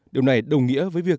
điều này đồng nghĩa với việc